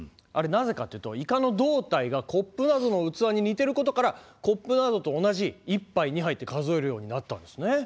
あれなぜかっていうとイカの胴体がコップなどの器に似てることからコップなどと同じ１杯２杯って数えるようになったんですね。